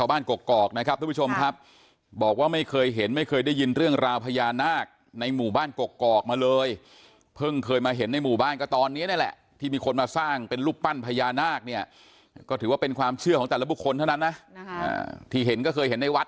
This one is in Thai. บ้านกกอกนะครับทุกผู้ชมครับบอกว่าไม่เคยเห็นไม่เคยได้ยินเรื่องราวพญานาคในหมู่บ้านกกอกมาเลยเพิ่งเคยมาเห็นในหมู่บ้านก็ตอนนี้นี่แหละที่มีคนมาสร้างเป็นรูปปั้นพญานาคเนี่ยก็ถือว่าเป็นความเชื่อของแต่ละบุคคลเท่านั้นนะที่เห็นก็เคยเห็นในวัด